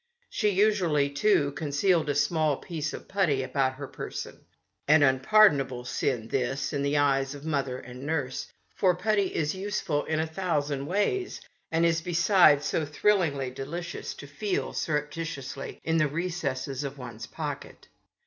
She usually, too, concealed a small piece of putty about her person — an unpardonable sin, this, in the eyes of mother and nurse — for putty is useful in a thousand ways, and is, besides, so thrillingly delicious to feel surreptitiously in the recesses of one's pocket.